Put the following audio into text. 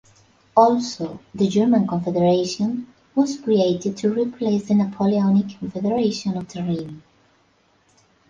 Also the German Confederation was created to replace the Napoleonic Confederation of the Rhine.